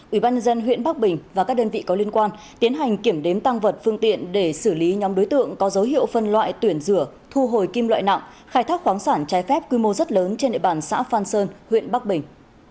ubnd huyện bắc bình và các đơn vị có liên quan tiến hành kiểm đếm tăng vật phương tiện để xử lý nhóm đối tượng có dấu hiệu phân loại tuyển rửa thu hồi kim loại nặng khai thác khoáng sản trái phép quy mô rất lớn trên địa bàn xã phan sơn huyện bắc bình